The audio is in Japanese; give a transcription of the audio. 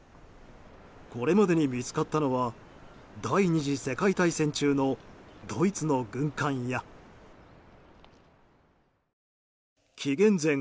これまでに見つかったのは第２次世界大戦中のドイツの軍艦や紀元前